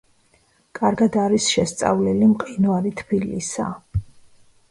კარგად არის შესწავლილი მყინვარი თბილისა.